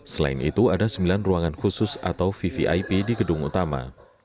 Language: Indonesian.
selain itu ada sembilan ruangan khusus atau vvip di gedung utama